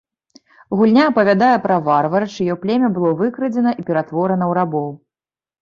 Гульня апавядае пра варвара, чыё племя было выкрадзена і пераўтворана ў рабоў.